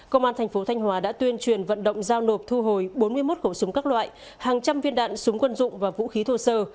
công an thành phố thanh hòa đã tuyên truyền vận động giao nộp thu hồi bốn mươi một khẩu súng các loại hàng trăm viên đạn súng quân dụng và vũ khí thô sơ